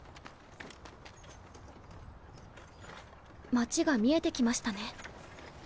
町が見えてきましたね。